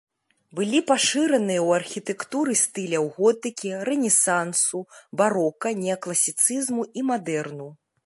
Былі пашыраныя ў архітэктуры стыляў готыкі, рэнесансу, барока, неакласіцызму і мадэрну.